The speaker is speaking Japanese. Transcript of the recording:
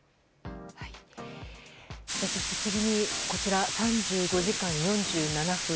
そして、次にこちら３５時間４７分。